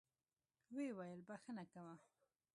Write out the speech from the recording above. ويې ويل بخښه کوه.